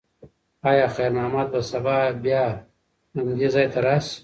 ایا خیر محمد به سبا بیا همدې ځای ته راشي؟